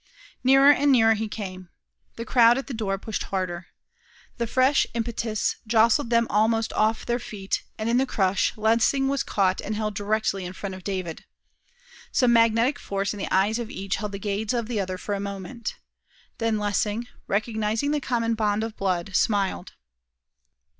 Nearer and nearer he came. The crowd at the door pushed harder. The fresh impetus jostled them almost off their feet, and in the crush Lessing was caught and held directly in front of David. Some magnetic force in the eyes of each held the gaze of the other for a moment. Then Lessing, recognizing the common bond of blood, smiled.